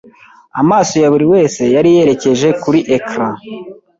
Amaso ya buri wese yari yerekeje kuri ecran .